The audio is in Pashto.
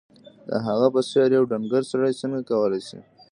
د هغه په څېر یو ډنګر سړی څنګه کولای شي